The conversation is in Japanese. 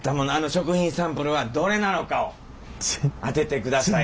食品サンプルはどれなのかを当ててください。